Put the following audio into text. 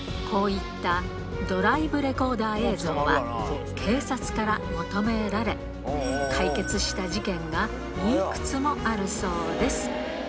こういったドライブレコーダー映像は、警察から求められ、解決した事件がいくつもあるそうです。